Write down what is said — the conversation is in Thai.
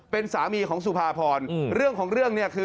เป็นสามีของสุภาพรเรื่องของเรื่องเนี่ยคือ